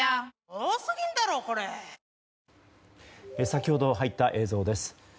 先ほど入った映像です。